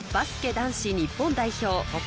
男子日本代表